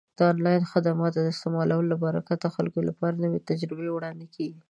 د آنلاین خدماتو د استعمال له برکته د خلکو لپاره نوې تجربې وړاندې کیږي.